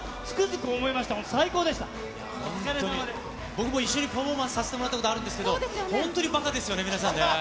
僕も一緒にパフォーマンスさせてもらったことあるんですけど、本当にばかですよね、皆さんね。